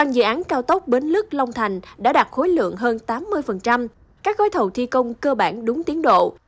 dự án cao tốc bến lức long thành đã đạt khối lượng hơn tám mươi các gói thầu thi công cơ bản đúng tiến độ